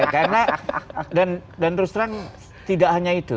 karena dan terus terang tidak hanya itu